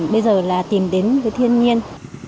bây giờ là tìm đến với thiên nhiên